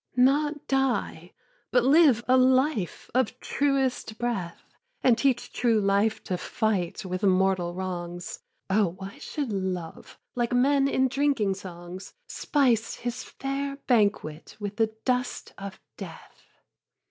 7. Not die; but live a life of truest breath, And teach true life to fight with mortal wrongs. O, why should Love, like men in drinking songs, Spice his fair banquet with the dust of death?